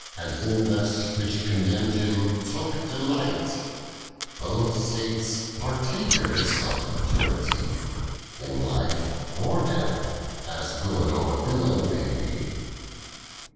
267 Anil in that which comh mn'd him took delight : Both states partakers of eternity, In life, or death, as good or ill they be.